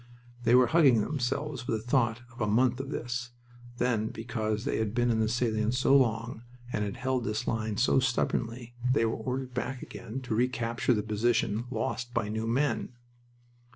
They were hugging themselves with the thought of a month of this... Then because they had been in the salient so long and had held this line so stubbornly, they were ordered back again to recapture the position lost by new men.